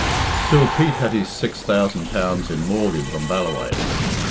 Still, Pete had his six thousand pounds in mortgage on Ballawhaine.